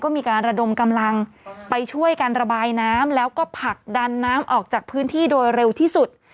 มีการระดมกำลังไปช่วยการระบายน้ำแล้วก็ผลักดันน้ำออกจากพื้นที่โดยเร็วที่สุด